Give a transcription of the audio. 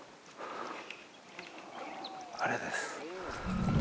あれです。